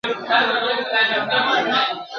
دکلو تږي درې به !.